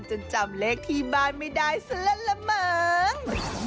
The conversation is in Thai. จนจำเลขธีบายไม่ได้สละละมั้ง